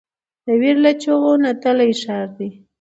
د ویر له چیغو نتلی ښار دی